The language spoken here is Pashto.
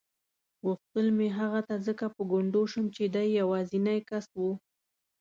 غوښتل مې هغه ته ځکه په ګونډو شم چې دی یوازینی کس و.